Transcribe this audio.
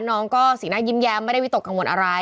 น้องนิ่มก็สีหน้ายิ้มแยมไม่ได้วิจังอะไร